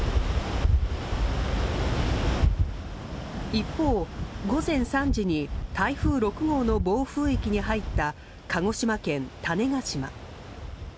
一方、午前３時に台風６号の暴風域に入った鹿児島県種子島。